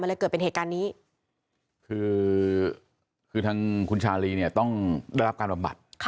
เลยเกิดเป็นเหตุการณ์นี้คือคือทางคุณชาลีเนี่ยต้องได้รับการบำบัด